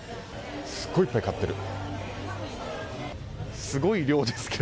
すごいいっぱい買ってる。